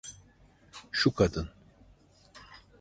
Şu kadın.